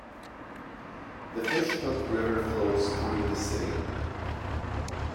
The Fish Hook River flows through the city.